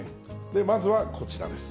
まずはこちらです。